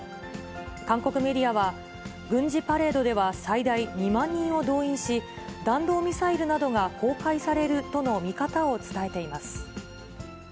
韓国メディアは、軍事パレードでは最大２万人を動員し、弾道ミサイルなどが公開されるとの見方を伝えています。